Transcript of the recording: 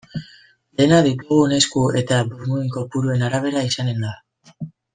Dena ditugun esku eta burmuin kopuruen arabera izanen da.